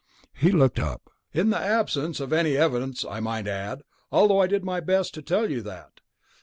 He looked up. "In the absence of any evidence, I might add, although I did my best to tell you that."